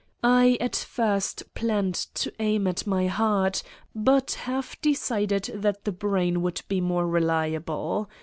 I at first planned to aim at my heart but have decided that the brain would be more reli able.